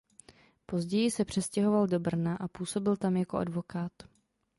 Později se přestěhoval do Brna a působil tam jako advokát.